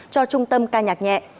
cho trung tâm ca nhạc nhẹ